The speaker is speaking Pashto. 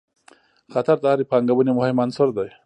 خطر د هرې پانګونې مهم عنصر دی.